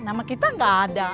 nama kita gak ada